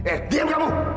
eh diam kamu